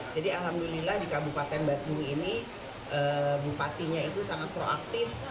jadi alhamdulillah di kabupaten batu ini bupatinya itu sangat proaktif